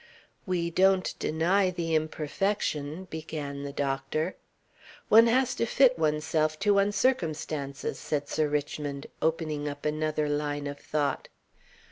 "We don't deny the imperfection " began the doctor. "One has to fit oneself to one's circumstances," said Sir Richmond, opening up another line of thought.